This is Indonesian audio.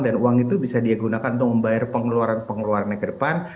dan uang itu bisa dia gunakan untuk membayar pengeluaran pengeluaran yang ke depan